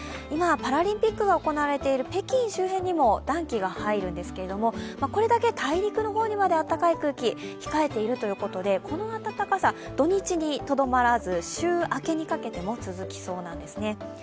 今、パラリンピックが行われている北京周辺にも暖気が入るんですけれども、これだけ大陸の方にまで暖かい空気、控えているということで、この暖かさ、土日にとどまらず週明けにかけても続きそうなんですね。